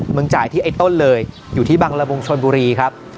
จ่ายที่ไอ้ต้นเลยอยู่ที่บังละมุงชนบุรีครับ